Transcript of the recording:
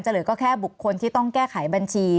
เหลือก็แค่บุคคลที่ต้องแก้ไขบัญชี